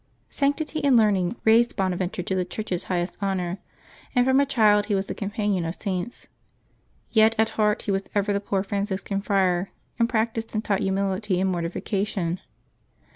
[anctity and learning raised Bonaventure to the Church's highest honors, and from a child he was the companion of Saints. Yet at heart he was ever the poor Franciscan friar, and practised and taught humility and mortification.